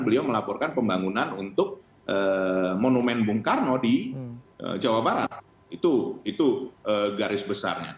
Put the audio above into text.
beliau melaporkan pembangunan untuk monumen bung karno di jawa barat itu garis besarnya